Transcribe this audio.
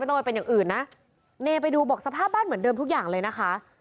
ต้องไปเป็นอย่างอื่นนะเนไปดูบอกสภาพบ้านเหมือนเดิมทุกอย่างเลยนะคะ